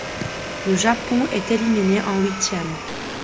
Le Japon est éliminé en huitièmes.